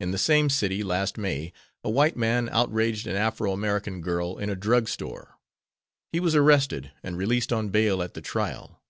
In the same city, last May, a white man outraged an Afro American girl in a drug store. He was arrested, and released on bail at the trial.